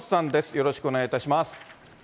よろしくお願いします。